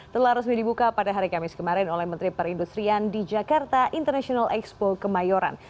telah resmi dibuka pada hari kamis kemarin oleh menteri perindustrian di jakarta international expo kemayoran